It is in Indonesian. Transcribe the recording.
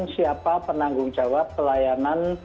siapa penanggung jawab pelayanan